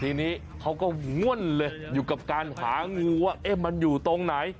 ทีนี้เขาก็ง่วนเลยอยู่กับการหางูว่ามันอยู่ตรงไหน